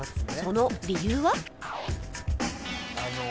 その理由は？